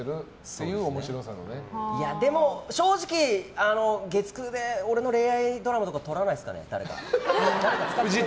正直月９で俺の恋愛ドラマとか撮らないですかね。